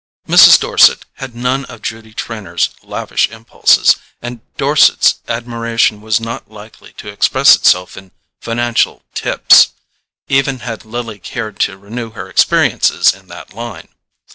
Mrs. Dorset had none of Judy Trenor's lavish impulses, and Dorset's admiration was not likely to express itself in financial "tips," even had Lily cared to renew her experiences in that line.